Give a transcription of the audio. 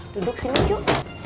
duduk sini cuk